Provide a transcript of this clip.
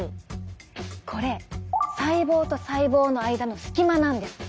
これ細胞と細胞の間のスキマなんです。